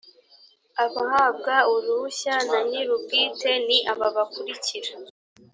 abahabwa uruhushya na nyir’ubwite ni aba bakurikira